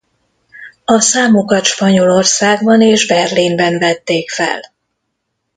A számokat Spanyolországban és Berlinben vették fel.